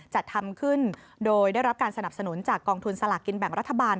จัดทำขึ้นโดยได้รับการสนับสนุนจากกองทุนสลากกินแบ่งรัฐบาล